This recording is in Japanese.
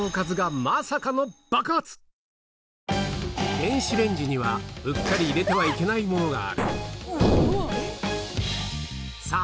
電子レンジにはうっかり入れてはいけないものがあるさぁ